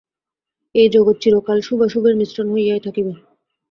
এই জগৎ চিরকাল শুভাশুভের মিশ্রণ হইয়াই থাকিবে।